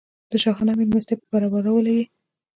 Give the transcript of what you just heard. د شاهانه مېلمستیا په برابرولو یې.